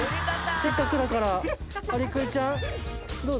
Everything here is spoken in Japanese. せっかくだから、アリクイちゃん、どうぞ。